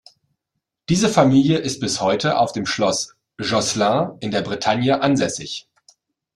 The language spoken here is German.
Diese Familie ist bis heute auf dem Schloss Josselin in der Bretagne ansässig.